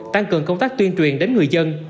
tăng cường công tác tuyên truyền đến người dân